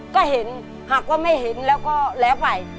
ก็เห็นหากว่าไม่เห็นแล้วก็แล้วไป